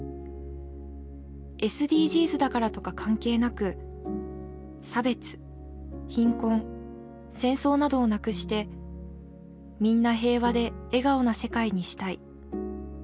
「ＳＤＧｓだからとか関係なく差別貧困戦争などをなくしてみんな平和で笑顔な世界にしたい。